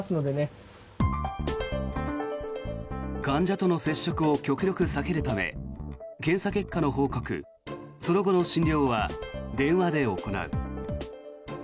患者との接触を極力避けるため検査結果の報告、その後の診療は電話で行う。